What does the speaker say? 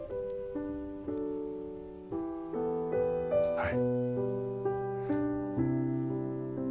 はい。